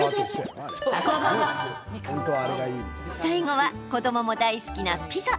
最後は、子どもも大好きなピザ。